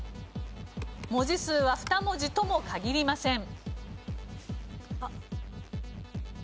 文字数は２文字とも限りません。